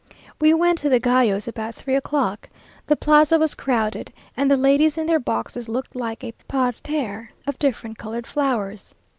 We went to the gallos about three o'clock. The plaza was crowded, and the ladies in their boxes looked like a parterre of different coloured flowers.